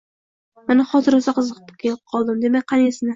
Mana, hozir rosa qiziqib qoldim. Demak, qani, esna!